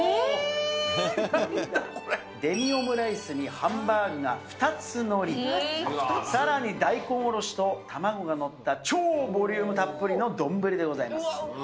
デミオムライスにハンバーグが２つ載り、さらに大根おろしと卵が載った超ボリュームたっぷりの丼でございます。